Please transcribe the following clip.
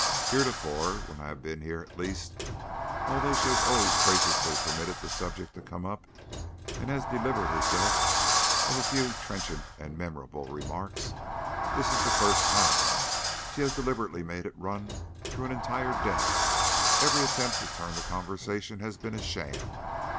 Heretofore, when I have been here, at least, although she has always graciously permitted the subject to come up and has delivered herself of a few trenchant and memorable remarks, this is the first time she has deliberately made it run through an entire dinner; every attempt to turn the conversation has been a sham.